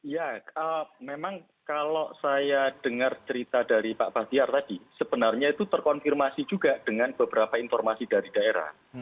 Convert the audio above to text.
ya memang kalau saya dengar cerita dari pak bahtiar tadi sebenarnya itu terkonfirmasi juga dengan beberapa informasi dari daerah